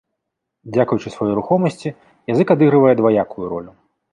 Дзякуючы сваёй рухомасці язык адыгрывае дваякую ролю.